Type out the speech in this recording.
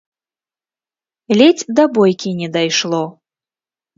Ледзь да бойкі не дайшло.